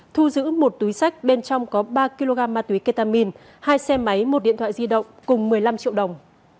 thu giữ một túi sách bên trong có ba kg ma túy ketamin hai xe máy một điện thoại di động cùng một mươi năm triệu đồng